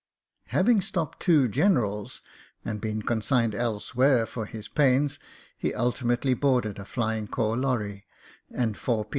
Having stopped two generals and been consigned 32 MEN, WOMEN AND GUNS elsewhere for his paitis, he ultimately boarded a flying corps lorry, and 4 p.